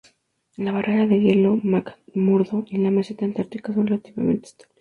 La barrera de hielo McMurdo y la meseta Antártica son relativamente estables.